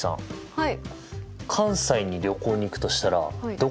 はい。